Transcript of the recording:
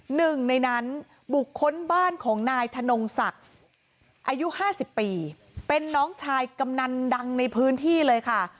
หนึ่งในนั้นบุคคลบ้านของนายธนงศักดิ์อายุ๕๐ปีเป็นน้องชายกำนันดังในพื้นที่เลยค่ะ